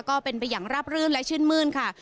ก็เป็นไปอย่างราบรื่นและชื่นมื้นค่ะ